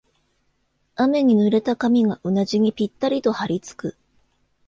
雨に濡れた髪がうなじにぴったりとはりつく